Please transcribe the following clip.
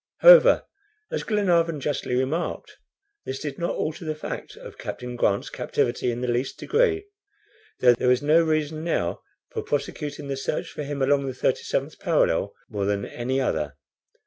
However, as Glenarvan justly remarked, this did not alter the fact of Captain Grant's captivity in the least degree, though there was no reason now for prosecuting the search for him along the 37th parallel, more than any other.